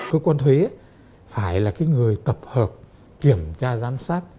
cơ quan thuế phải là cái người tập hợp kiểm tra giám sát